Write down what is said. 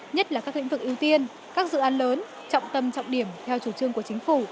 nhất là các lĩnh vực ưu tiên các dự án lớn trọng tâm trọng điểm theo chủ trương của chính phủ